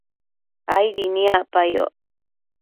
aidi niacpayoc